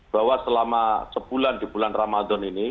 bahwa selama sebulan di bulan ramadan ini